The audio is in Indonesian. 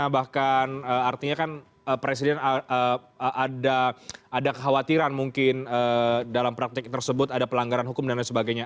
bahkan artinya kan presiden ada kekhawatiran mungkin dalam praktek tersebut ada pelanggaran hukum dan lain sebagainya